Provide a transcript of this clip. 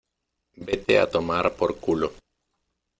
vete a tomar por culo.